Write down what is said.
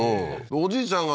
おじいちゃんが